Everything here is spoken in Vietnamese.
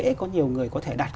dễ có nhiều người có thể đặt